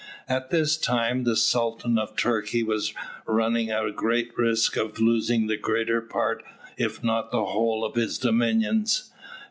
At this time the Sultan of Turkey was running a great risk of losing the greater part if not the whole of his dominions.